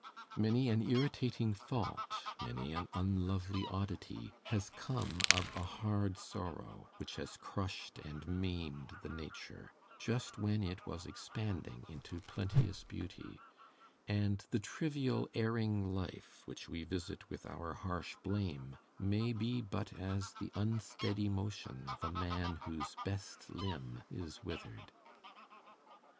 Many an irritating fault, many an unlovely oddity, has come of a hard sorrow, which has crushed and maimed the nature just when it was expanding into plenteous beauty; and the trivial erring life which we visit with our harsh blame, may be but as the unsteady motion of a man whose best limb is withered.